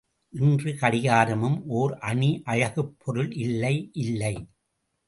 இன்று கடிகாரமும் ஓர் அணி அழகுப் பொருள் இல்லை, இல்லை!